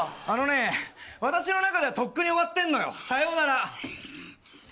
あのね私の中ではとっくに終わってんのよさようなら。